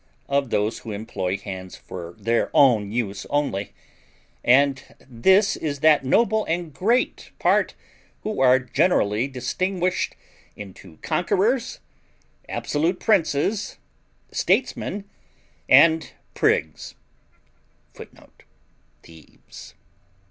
of those who employ hands for their own use only; and this is that noble and great part who are generally distinguished into conquerors, absolute princes, statesmen, and prigs [Footnote: Thieves.